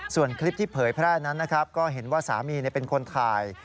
ส่วนคลิปที่เผยแพร่นั้นนะครับก็เห็นว่าสามีเป็นคนถ่าย